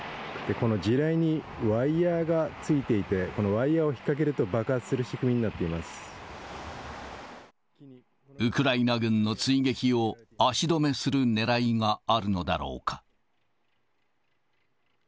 この地雷にワイヤがついていて、このワイヤを引っ掛けると、ウクライナ軍の追撃を足止めするねらいがあるのだろうか。